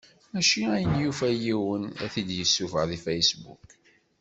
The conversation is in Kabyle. Mačči ayen yufa yiwen ad t-id-yessufeɣ deg Facebook.